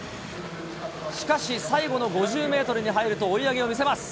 しかし最後の５０メートルに入ると追い上げを見せます。